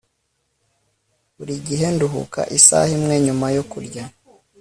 Buri gihe nduhuka isaha imwe nyuma yo kurya